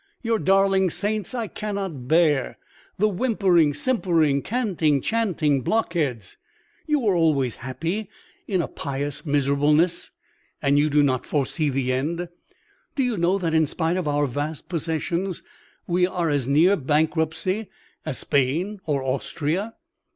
Your darling saints I cannot bear. The whimpering, simpering, canting, chanting blockheads! You were always happy in a pious miserableness, and you do not foresee the end. Do you know that in spite of our vast possessions we are as near bankruptcy as Spain or Austria?